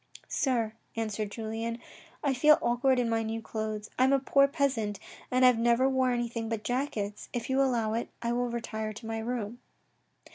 " Sir," answered Julien, " I feel awkward in my new clothes. I am a poor peasant and have never wore anything but jackets. If you allow it, I will retire to my room."